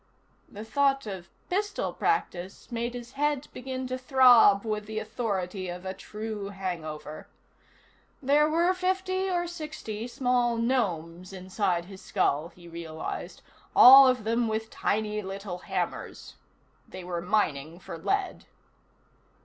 The thought of pistol practice made his head begin to throb with the authority of a true hangover. There were fifty or sixty small gnomes inside his skull, he realized, all of them with tiny little hammers. They were mining for lead.